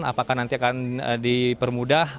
apakah nanti akan dipermudah